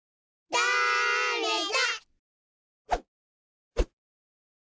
だれだ？